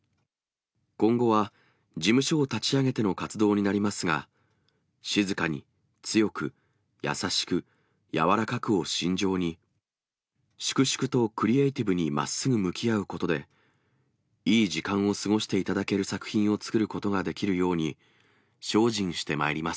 今後は、事務所を立ち上げての活動になりますが、静かに、強く、優しく、柔らかくを信条に、粛々とクリエーティブにまっすぐ向き合うことで、いい時間を過ごしていただける作品を作ることができるように、精進してまいりま